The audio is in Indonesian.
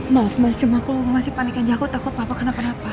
maaf mas cuma aku masih panik aja aku takut apa apa kenapa